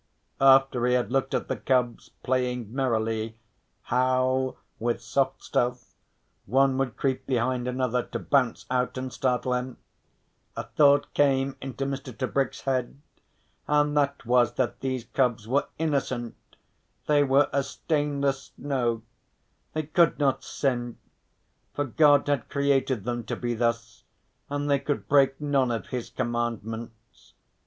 After he had looked at the cubs playing merrily, how, with soft stealth, one would creep behind another to bounce out and startle him, a thought came into Mr. Tebrick's head, and that was that these cubs were innocent, they were as stainless snow, they could not sin, for God had created them to be thus and they could break none of His commandments.